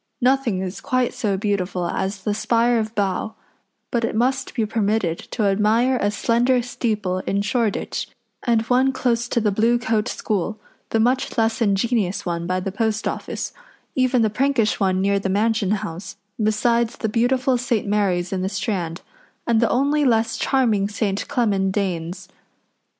Nothing is quite so beautiful as the spire of Bow, but it must be permitted to admire a slender steeple in Shoreditch, and one close to the Blue Coat School, the much less ingenious one by the Post Office, even the prankish one near the Mansion House, besides the beautiful St. Mary's in the Strand, and the only less charming St. Clement Danes.